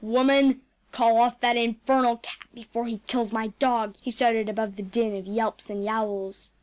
“Woman, call off that infernal cat before he kills my dog,‚ÄĚ he shouted above the din of yelps and yowls.